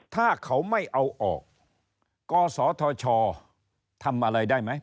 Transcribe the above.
ถ้าเขาไม่เอาออกกศธชทำอะไรได้ไหม